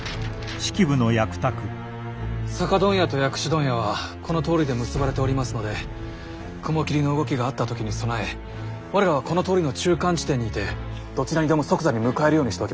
酒問屋と薬種問屋はこの通りで結ばれておりますので雲霧の動きがあった時に備え我らはこの通りの中間地点にいてどちらにでも即座に向かえるようにしておきます。